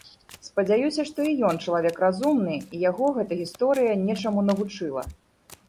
Спадзяюся, што і ён чалавек разумны, і яго гэта гісторыя нечаму навучыла.